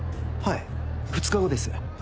はい２日後です。